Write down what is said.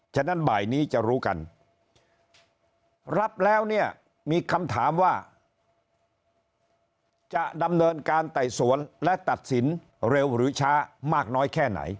ฉะนั้นบ่ายนี้จะรู้กันรับแล้วเนี่ยมีคำถามว่าจะดำเนินการไต่สวนและตัดสินเร็วหรือช้ามากน้อยแค่ไหน